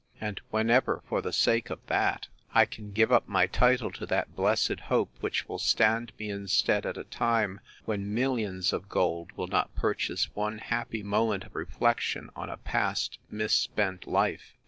and whenever, for the sake of that, I can give up my title to that blessed hope which will stand me in stead, at a time when millions of gold will not purchase one happy moment of reflection on a past misspent life!